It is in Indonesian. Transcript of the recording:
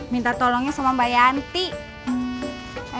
minta tolongnya sama mbak yanti